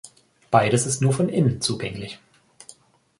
Beides ist nur von innen zugänglich.